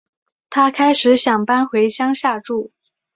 她开始想搬回乡下住